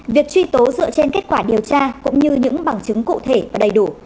việc truy tố dựa trên kết quả điều tra cũng như những bằng chứng cụ thể và đầy đủ